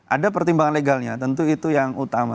ada pertimbangan legalnya tentu itu yang utama